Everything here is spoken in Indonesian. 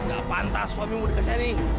nggak pantas suamimu dikasih ini